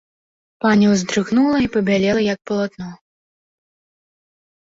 Пані ўздрыгнула і пабялела як палатно.